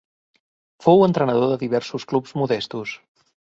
Fou entrenador de diversos clubs modestos.